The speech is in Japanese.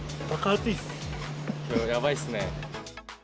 きょう、やばいっすね。